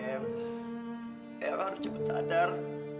kayaknya aku harus cepet sadar